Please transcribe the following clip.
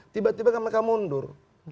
tiba tiba mereka mundur